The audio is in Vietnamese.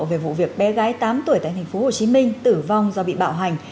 về vụ việc bé gái tám tuổi tại tp hcm tử vong do bị bạo hành